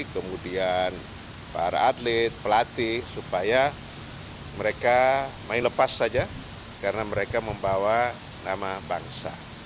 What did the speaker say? kemudian para atlet pelatih supaya mereka main lepas saja karena mereka membawa nama bangsa